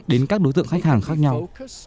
đến các đối tượng khách hàng khác nhau